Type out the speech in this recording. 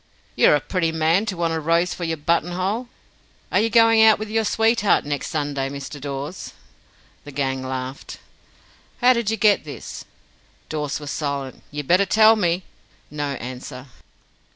"You're a pretty man to want a rose for your buttonhole! Are you going out with your sweetheart next Sunday, Mr. Dawes?" The gang laughed. "How did you get this?" Dawes was silent. "You'd better tell me." No answer.